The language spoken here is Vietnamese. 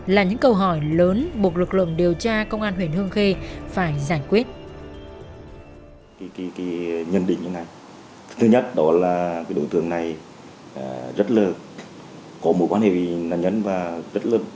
là những câu hỏi lớn buộc lực lượng điều tra công an huyện hương khê phải giải quyết